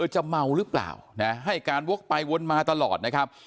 จะเมาหรือเปล่านะให้การวกไปวนมาตลอดนะครับ